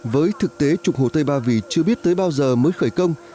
với thực tế trục hồ tây ba vì chưa biết tới bao giờ mới khởi công